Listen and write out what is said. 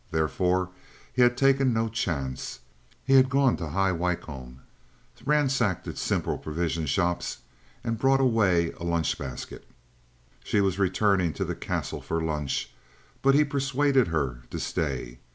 Therefore he had taken no chance. He had gone to High Wycombe, ransacked its simple provision shops, and brought away a lunch basket. She was for returning to the Castle to lunch. But he persuaded her to stay.